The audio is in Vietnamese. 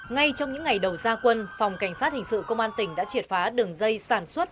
ngay trong những ngày đầu gia quân phòng cảnh sát hình sự công an tỉnh đã triệt phá đường dây sản xuất